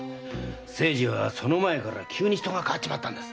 清次はその前から急に人が変わっちまったんです。